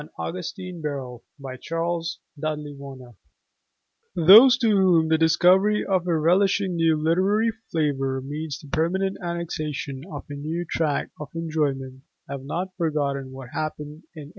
AUGUSTINE BIRRELL (1850 ) Those to whom the discovery of a relishing new literary flavor means the permanent annexation of a new tract of enjoyment have not forgotten what happened in 1885.